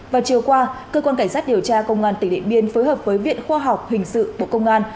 vào chiều qua cơ quan cảnh sát điều tra công an tỉnh điện biên phối hợp với viện khoa học hình sự bộ công an